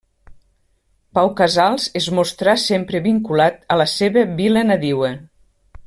Pau Casals es mostrà sempre vinculat a la seva vila nadiua.